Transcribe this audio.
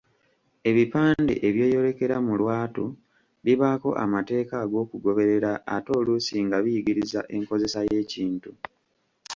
Ebipande ebyeyolekera mu lwatu bibaako amateeka ag'okugoberera ate oluusi nga biyigiriza enkozesa y'ekintu.